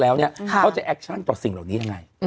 หลังจากที่กลับมาเป็นนายกแล้วเนี่ยเขาจะแอคชั่นต่อสิ่งเหล่านี้ยังไง